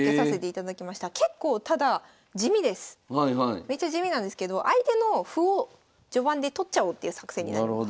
めちゃ地味なんですけど相手の歩を序盤で取っちゃおうっていう作戦になります。